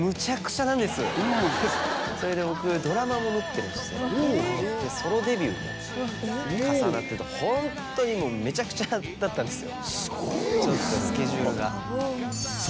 それで僕ドラマも持ってましてソロデビューも重なっててホントにメチャクチャだったんですよ